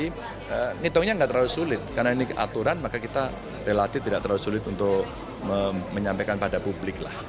hitungnya nggak terlalu sulit karena ini aturan maka kita relatif tidak terlalu sulit untuk menyampaikan pada publik lah